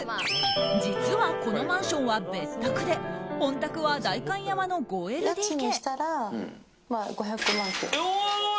実は、このマンションは別宅で本宅は代官山の５ＬＤＫ。